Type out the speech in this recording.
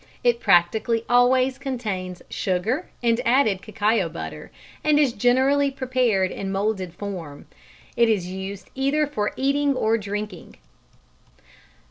It practically always contains sugar and added cacao butter, and is generally prepared in moulded form. It is used either for eating or drinking.